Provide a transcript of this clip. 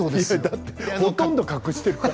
ほとんど隠してるから。